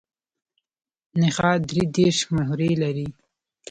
نخاع درې دیرش مهرې لري.